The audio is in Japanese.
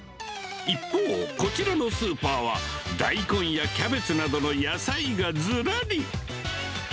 一方、こちらのスーパーは、大根やキャベツなどの野菜がずらり。